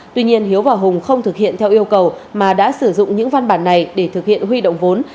tuy nhiên hiếu và hùng không thực hiện theo yêu cầu mà đã sử dụng những văn bản này để thực hiện huy động vốn